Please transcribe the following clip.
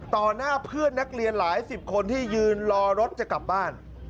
หน้าเพื่อนนักเรียนหลายสิบคนที่ยืนรอรถจะกลับบ้าน